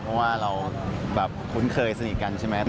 เพราะว่าเราแบบคุ้นเคยสนิทกันใช่ไหม